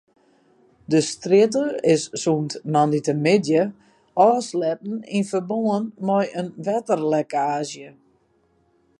De strjitte is sûnt moandeitemiddei ôfsletten yn ferbân mei in wetterlekkaazje.